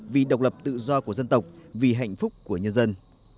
vì độc lập tự do của dân tộc vì hạnh phúc của nhân dân